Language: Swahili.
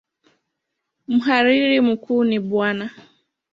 Mhariri mkuu ni Bw.